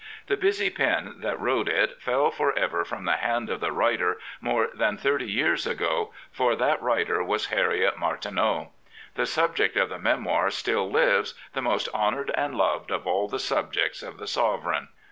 The busy pen that wrote it fell for ever from the hand of the writer more than thirty years ago, for that writer was Harriet Martineau. The subject of the memoir still lives, the most honoured and loved of all the subjects of the Sovereign.